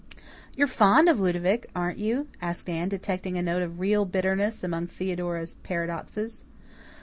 "You're fond of Ludovic, aren't you?" asked Anne, detecting a note of real bitterness among Theodora's paradoxes.